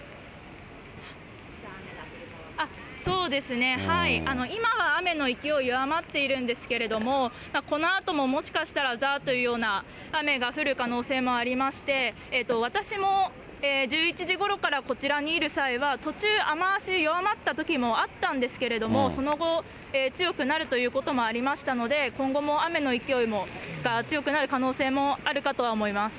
そうですね、今は雨の勢い、弱まっているんですけれども、このあとももしかしたら、ざーっというような雨が降る可能性もありまして、私も１１時ごろからこちらにいる際は、途中、雨足弱まったときもあったんですけれども、その後、強くなるということもありましたので、今後も雨の勢いが強くなる可能性もあるかとは思います。